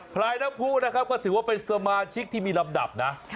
พลายน้ำผู้นะครับก็ถือว่าเป็นสมาชิกที่มีลำดับนะ